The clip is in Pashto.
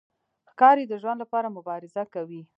ښکاري د ژوند لپاره مبارزه کوي.